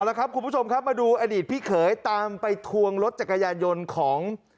แล้วครับคุณผู้ชมครับมาดูอดีตพี่เขยตามไปทวงรถจักรยานยนต์ของ